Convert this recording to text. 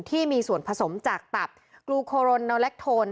ที่มีส่วนผสมจากตับกลูโครนโนแลคโทน